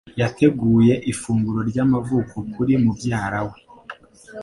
Yateguye ifunguro ryamavuko kuri mubyara we.